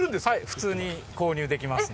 普通に購入できます。